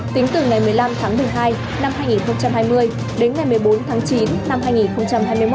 tính từ ngày một mươi năm tháng một mươi hai năm hai nghìn hai mươi đến ngày một mươi bốn tháng chín năm hai nghìn hai mươi một